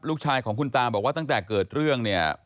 ลูกชายของคุณตาบอกว่าตั้งแต่เกิดเรื่องเนี่ย